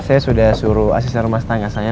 saya sudah suruh asisten rumah tangga saya